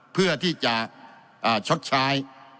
เพื่อที่จะชดใช้